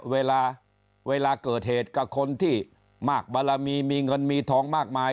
เวลาเวลาเกิดเหตุกับคนที่มากบารมีมีเงินมีทองมากมาย